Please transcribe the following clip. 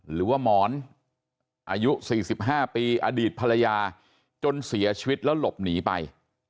หรือว่าหมอนอายุ๔๕ปีอดีตภรรยาจนเสียชีวิตแล้วหลบหนีไป